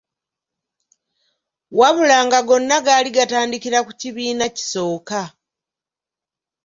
Wabula nga gonna gaali gatandikira ku kibiina kisooka.